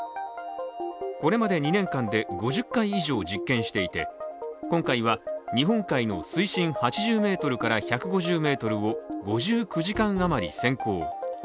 これまで２年間で５０回以上実験していて今回は日本海の水深８０ｍから１５０ｍを５９時間余り潜航。